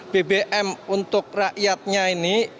bbm untuk rakyatnya ini